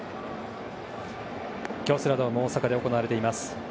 京セラドーム大阪で行われています。